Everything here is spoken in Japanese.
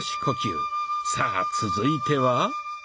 さあ続いては？